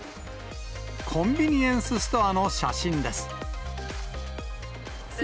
コンビニエンスストアの写真です。